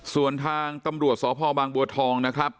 ส่วนทางตำรวจสพบางบัวทองนะครับ